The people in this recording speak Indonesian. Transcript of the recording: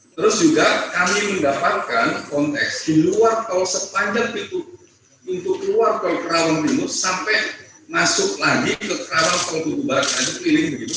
terus juga kami mendapatkan konteks di luar tol sepanjang pintu pintu keluar dari kerawang timur sampai masuk lagi ke kerawang torong pertawang timur